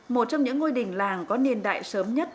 một trong những ngôi đình làng có niên đại sớm nhất